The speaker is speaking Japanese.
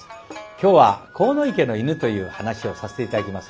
今日は「鴻池の犬」という噺をさせて頂きます。